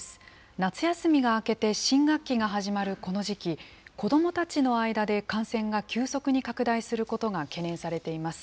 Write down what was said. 夏休みが明けて新学期が始まるこの時期、子どもたちの間で感染が急速に拡大することが懸念されています。